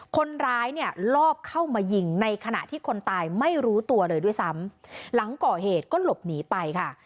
คนร้ายเนี่ยลอบเข้ามายิงในขณะที่คนตายไม่รู้ตัวเลยด้วยซ้ำหลังก่อเหตุก็หลบหนีไปค่ะ